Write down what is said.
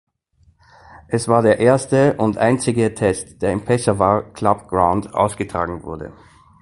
Es war der erste und einzige Test der im Peshawar Club Ground ausgetragen wurde.